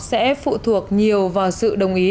sẽ phụ thuộc nhiều vào sự đồng ý